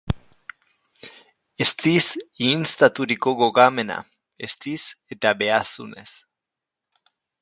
Eztiz ihinztaturiko gogamena; eztiz eta behazunez.